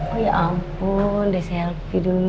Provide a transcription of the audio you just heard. oh ya ampun deh selfie dulu